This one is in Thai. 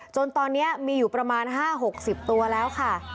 จนตอนนี้มีอยู่ประมาณ๕๖๐ตัวแล้วค่ะ